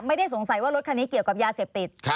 ไม่ได้สงสัยว่ารถคันนี้เกี่ยวกับยาเสพติด